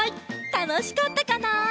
たのしかったかな？